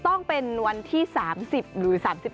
ต้องเป็นวันที่๓๐หรือ๓๗